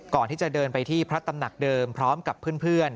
ก่อนที่จะเดินไปที่พระตำหนักเดิมพร้อมกับเพื่อน